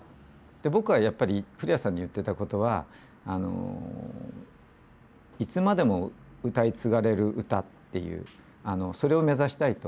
僕はやっぱり古屋さんに言ってたことはいつまでも歌い継がれる歌っていうそれを目指したいと。